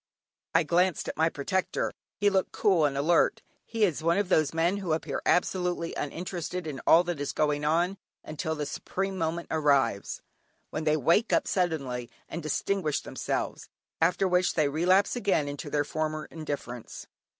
I glanced at my protector; he looked cool and alert. He was one of those men who appear absolutely uninterested in all that is going on until the supreme moment arrives, when they wake up suddenly and distinguish themselves, after which they relapse again into their former indifference.